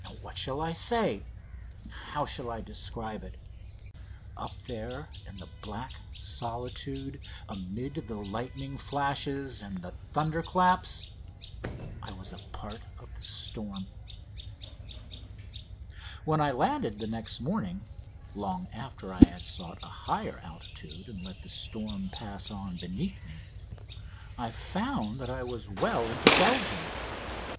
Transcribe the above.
What shall I say? How shall I describe it? Up there in the black solitude, amid the lightning flashes and the thunderclaps, I was a part of the storm. When I landed the next morning long after I had sought a higher altitude and let the storm pass on beneath me I found that I was well into Belgium.